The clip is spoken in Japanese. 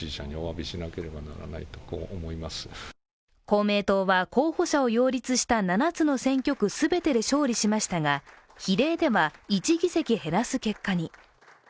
公明党は、候補者を擁立した７つの選挙区全てで勝利しましたが比例では、１議席減らす結果に。